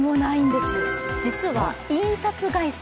実は印刷会社。